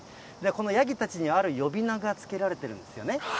このヤギたちにある呼び名が付けられてるんですよね。